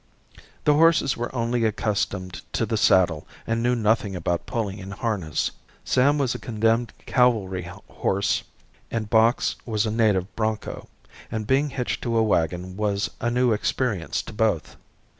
The horses were only accustomed to the saddle and knew nothing about pulling in harness. Sam was a condemned cavalry horse and Box was a native bronco, and being hitched to a wagon was a new experience to both.